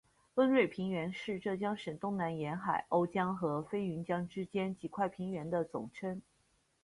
温瑞平原是浙江省东南沿海瓯江和飞云江之间几块平原的总称。